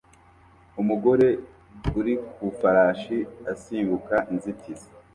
Umugore uri ku ifarashi asimbuka inzitizi